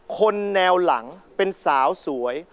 คนแนวหลังเป็นสาวสวย